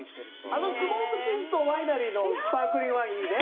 あのスモークチーズとワイナリーのスパークリングワインいいね。